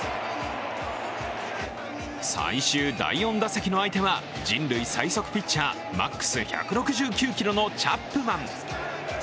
最終第４打席の相手は人類最速ピッチャー、マックス１６９キロのチャップマン。